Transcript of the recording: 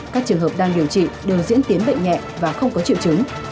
các trường hợp đang điều trị đều diễn tiến bệnh nhẹ và không có triệu chứng